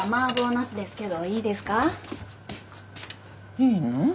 いいの？